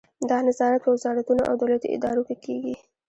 دا نظارت په وزارتونو او دولتي ادارو کې کیږي.